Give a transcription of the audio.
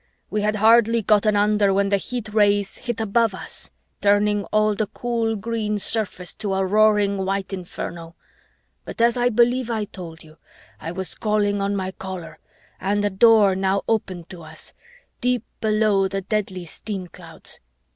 We had hardly gotten under when the heat rays hit above us, turning all the cool green surface to a roaring white inferno. But as I believe I told you, I was calling on my Caller, and a Door now opened to us, deep below the deadly steam clouds.